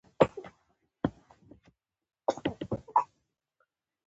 مفسرین او جغرافیه پوهان مختلف نظرونه لري.